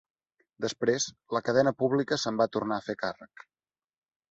Després, la cadena pública se'n va tornar a fer càrrec.